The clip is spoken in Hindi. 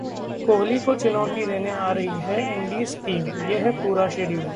कोहली को चुनौती देने आ रही है इंडीज टीम, ये है पूरा शेड्यूल